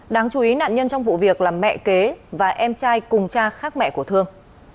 đáng chú ý nạn nhân trong vụ việc là mẹ kế và em trai cùng cha khác mẹ của thương